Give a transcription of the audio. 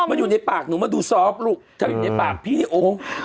มันอยู่ในปากหนูมาดูซอฟต์ลูกถ้าอยู่ในปากพี่นี่โอ้